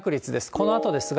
このあとですが。